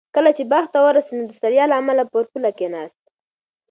کله چې باغ ته ورسېد نو د ستړیا له امله پر پوله کېناست.